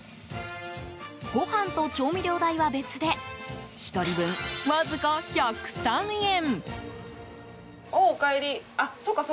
ご飯と調味料代は別で１人分わずか１０３円。